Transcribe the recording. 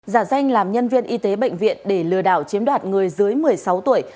giả danh làm nhân viên y tế bệnh viện để lừa đảo chiếm đoạt người dưới một mươi sáu tuổi